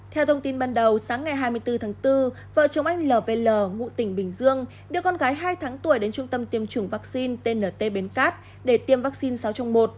theo thông tin ban đầu sáng ngày hai mươi bốn tháng bốn vợ chồng anh lv ngụ tỉnh bình dương đưa con gái hai tháng tuổi đến trung tâm tiêm chủng vaccine tnt bến cát để tiêm vaccine sáu trong một